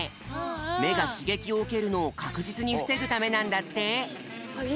めがしげきをうけるのをかくじつにふせぐためなんだって。